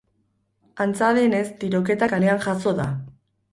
Antza denez, tiroketa kalean jazo da.